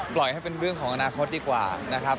ปล่อยให้เป็นเรื่องของอนาคตดีกว่านะครับ